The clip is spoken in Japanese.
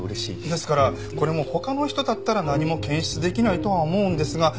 ですからこれも他の人だったら何も検出できないとは思うんですが村木さんなら。